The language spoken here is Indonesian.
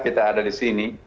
kita ada di sini